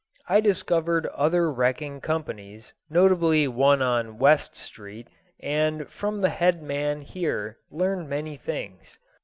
I discovered other wrecking companies, notably one on West Street, and from the head man here learned many things.